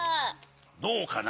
どうかな？